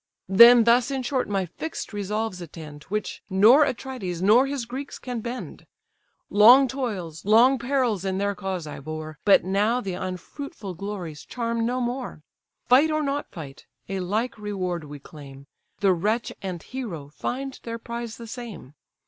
"Then thus in short my fix'd resolves attend, Which nor Atrides nor his Greeks can bend; Long toils, long perils in their cause I bore, But now the unfruitful glories charm no more. Fight or not fight, a like reward we claim, The wretch and hero find their prize the same.